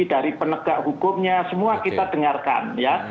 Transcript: dari penegak hukumnya semua kita dengarkan ya